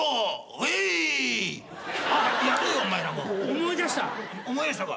思い出したか？